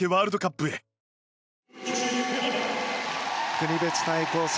国別対抗戦。